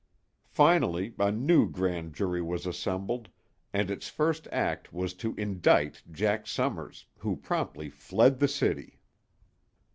Finally, a new Grand Jury was assembled, and its first act was to indict Jack Summers, who promptly fled the city.